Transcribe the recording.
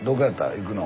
行くの。